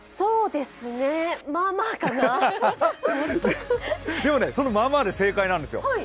でもね、そのまあまあで正解なんですよ。